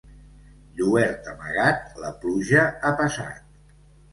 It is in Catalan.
Lluert amagat, la pluja ha passat.